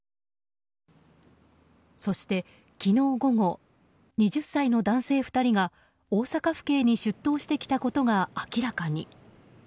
そして昨日午後２０歳の男性２人が大阪府警に出頭してきたことが明らかに。